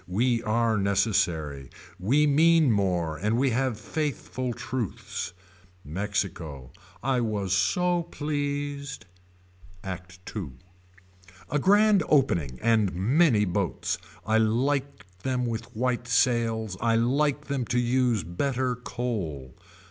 We are necessary. We mean more and we have faithful truths. Mexico. I was so pleased. ACT II. A grand opening and many boats. I like them with white sails. I like them to use better coal.